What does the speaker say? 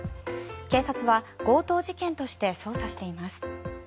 警察は強盗事件として捜査しています。